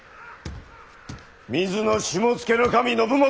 水野下野守信元！